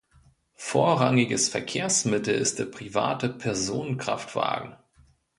Vorrangiges Verkehrsmittel ist der private Personenkraftwagen.